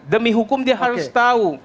demi hukum dia harus tahu